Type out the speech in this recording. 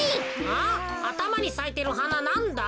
あたまにさいてるはななんだ？